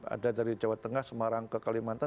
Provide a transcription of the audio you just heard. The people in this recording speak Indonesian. ada dari jawa tengah semarang ke kalimantan